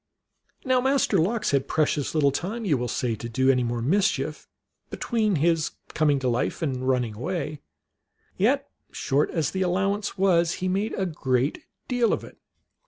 Now Master Lox had precious little time, you will say, to do any more mischief between his coming to life and running away ; yet, short as the allowance was, he made a great deal of it.